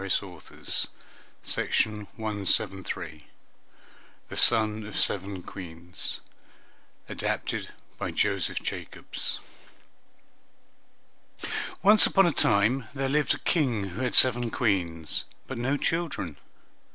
EAST INDIAN STORIES THE SON OF SEVEN QUEENS ADAPTED BY JOSEPH JACOBS Once upon a time there lived a King who had seven Queens, but no children.